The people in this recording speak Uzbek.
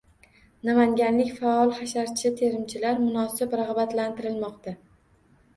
Namanganlik faol hasharchi-terimchilar munosib rag‘batlantirilmoqda